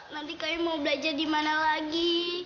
nanti kami mau belajar di mana lagi